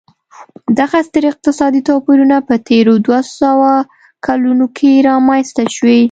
دغه ستر اقتصادي توپیرونه په تېرو دوه سوو کلونو کې رامنځته شوي.